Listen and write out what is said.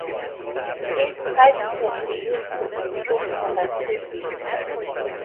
Heat pipes can be used to improve conductivity.